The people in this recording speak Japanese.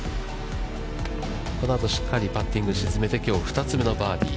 このあと、しっかりパッティング沈めて、きょう、２つ目のバーディー。